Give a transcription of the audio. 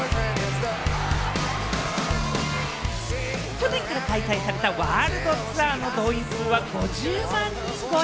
去年から開催されたワールドツアーの動員数は５０万人超え。